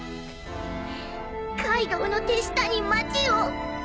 カイドウの手下に町を。